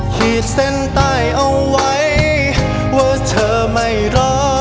ขีดเส้นใต้เอาไว้ว่าเธอไม่รอ